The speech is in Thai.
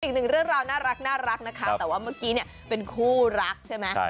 อีกหนึ่งเรื่องราวน่ารักนะคะแต่ว่าเมื่อกี้เนี่ยเป็นคู่รักใช่ไหม